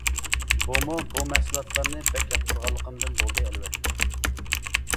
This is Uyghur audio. بۇمۇ بۇ مەھسۇلاتلارنى بەك ياقتۇرغانلىقىمدىن بولدى ئەلۋەتتە.